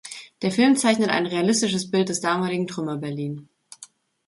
Der Film zeichnet ein realistisches Bild des damaligen Trümmer-Berlin.